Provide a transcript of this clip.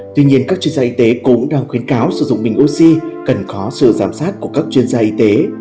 tuy nhiên các chuyên gia y tế cũng đang khuyến cáo sử dụng bình oxy cần có sự giám sát của các chuyên gia y tế